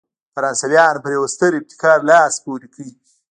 فرانسویانو پر یوه ستر ابتکار لاس پورې کړ.